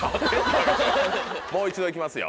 もう一度いきますよ。